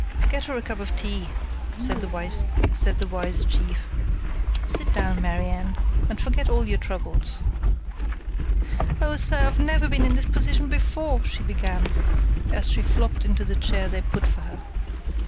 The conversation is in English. "Get her a cup of tea," said the wise chief. "Sit down, Mary Ann, and forget all your troubles." "Oh, sir, I've never been in this position before," she began, as she flopped into the chair they put for her.